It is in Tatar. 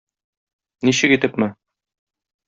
Ничек итепме?